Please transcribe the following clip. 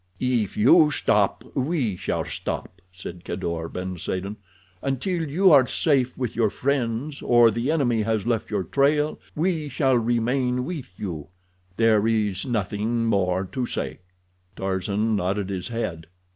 "If you stop we shall stop," said Kadour ben Saden. "Until you are safe with your friends, or the enemy has left your trail, we shall remain with you. There is nothing more to say." Tarzan nodded his head.